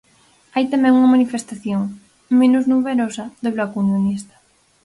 Hai tamén unha manifestación, menos numerosa, do bloque unionista.